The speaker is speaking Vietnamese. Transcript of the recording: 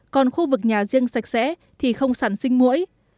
còn khu vực nhà riêng sạch sẽ thì không sản sinh mũi